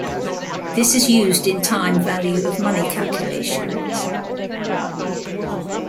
This is used in time value of money calculations.